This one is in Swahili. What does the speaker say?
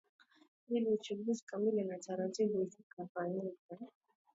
ili uchunguzi kamili na taratibu zakiafya